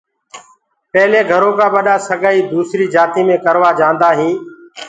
پيلي گھرو ڪآ ٻڏآ سگائي دوسري جآتي مي سگائي ڪروآ جاندآ هينٚ۔